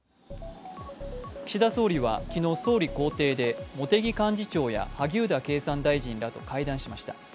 岸田総理は昨日、総理公邸で茂木幹事長や萩生田経産大臣らと会談しました。